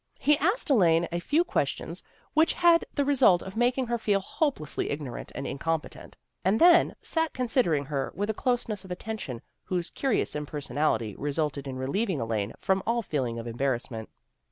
He asked Elaine a few questions which had the result of making her feel hopelessly ignorant and incompetent, and then sat considering her with a closeness of attention whose curious impersonality resulted in relieving Elaine from all feeling of embarrassment.